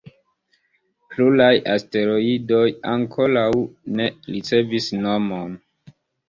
Pluraj asteroidoj ankoraŭ ne ricevis nomon.